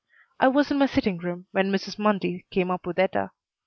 I was in my sitting room when Mrs. Mundy came up with Etta.